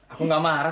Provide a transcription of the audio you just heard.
aku nggak marah